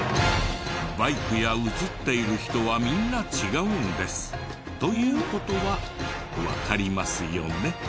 バイクや写っている人はみんな違うんです。という事はわかりますよね？